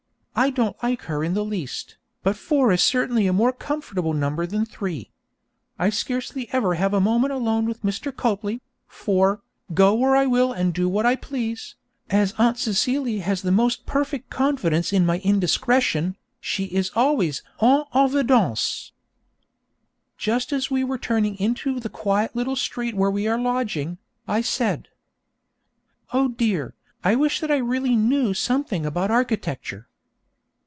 I don't like her in the least, but four is certainly a more comfortable number than three. I scarcely ever have a moment alone with Mr. Copley, for, go where I will and do what I please, as Aunt Celia has the most perfect confidence in my indiscretion, she is always en évidence. Just as we were turning into the quiet little street where we are lodging, I said: 'Oh dear, I wish that I really knew something about architecture!'